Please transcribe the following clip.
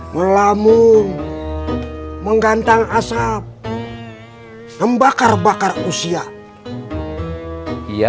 melamun menggantang asap membakar bakar usia iya